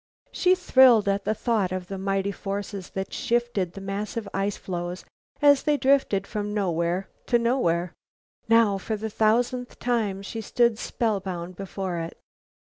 She thrilled at the thought of the mighty forces that shifted the massive ice floes as they drifted from nowhere to nowhere. Now for the thousandth time she stood spellbound before it.